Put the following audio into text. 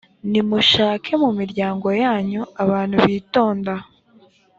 nimushake mu miryango yanyu abantu bitonda